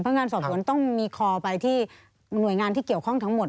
งานสอบสวนต้องมีคอไปที่หน่วยงานที่เกี่ยวข้องทั้งหมด